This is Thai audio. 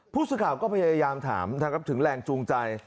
ผู้สุข่าวก็พยายามถามถ้าครับถึงแหล่งจูงใจ